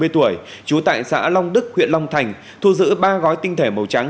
bảy mươi tuổi chú tại xã long đức huyện long thành thu giữ ba gói tinh thể màu trắng